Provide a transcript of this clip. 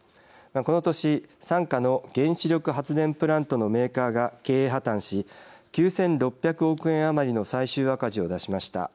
この年、傘下の原子力発電プラントのメーカーが経営破綻し９６００億円余りの最終赤字を出しました。